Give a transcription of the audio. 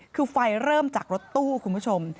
คือไฟเริ่มจากรถตู้คุณผู้ชม